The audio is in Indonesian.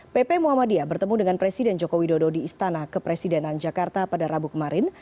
pp muhammadiyah bertemu dengan presiden joko widodo di istana kepresidenan jakarta pada rabu kemarin